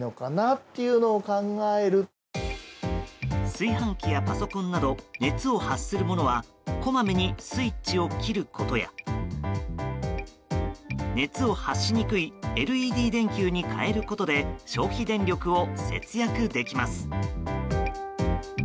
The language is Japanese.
炊飯器やパソコンなど熱を発するものはこまめにスイッチを切ることや熱を発しにくいＬＥＤ電球に変えることで消費電力を節約できます。